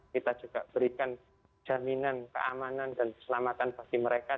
kita juga berikan jaminan keamanan dan keselamatan bagi mereka